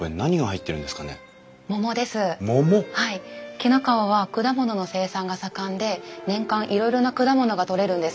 紀の川は果物の生産が盛んで年間いろいろな果物が取れるんです。